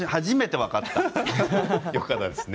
よかったですね